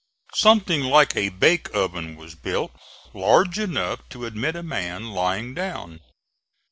Something like a bake oven was built, large enough to admit a man lying down.